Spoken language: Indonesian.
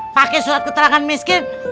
pakai surat keterangan miskin